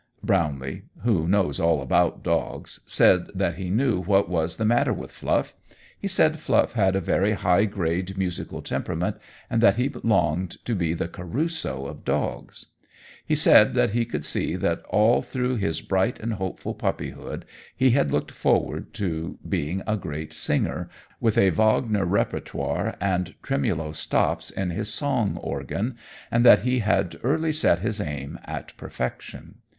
Brownlee who knows all about dogs said that he knew what was the matter with Fluff. He said Fluff had a very high grade musical temperament, and that he longed to be the Caruso of dogs. He said that he could see that all through his bright and hopeful puppyhood he had looked forward to being a great singer, with a Wagner repertoire and tremolo stops in his song organ, and that he had early set his aim at perfection.